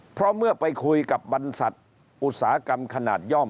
เพราะเมื่อไปคุยกับบรรษัทอุตสาหกรรมขนาดย่อม